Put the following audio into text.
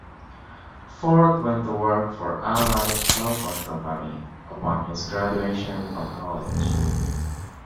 Ford went to work for Allied Telephone Company upon his graduation from college.